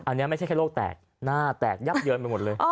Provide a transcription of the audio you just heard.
อันนี้ไม่ใช่แค่โรคแตกหน้าแตกยับเยินไปหมดเลย